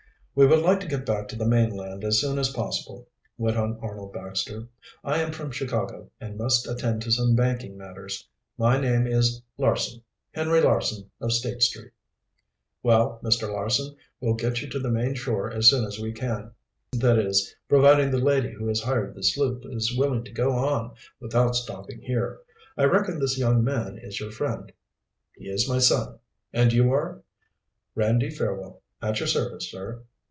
"We would like to get back to the mainland as soon as possible," went on Arnold Baxter. "I am from Chicago, and must attend to some banking matters. My name is Larson Henry Larson of State Street." "Well, Mr. Larson, we'll get you to the main shore as soon as we can; that is, providing the lady who has hired this sloop is willing to go on without stopping here. I reckon this young man is your friend?" "He is my son. And you are ?" "Randy Fairwell, at your service, sir.